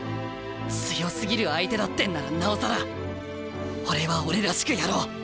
強すぎる相手だってんならなおさら俺は俺らしくやろう。